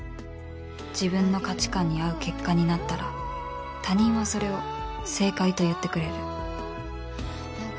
自分の価値観に合う結果になったら他人はそれを正解と言ってくれる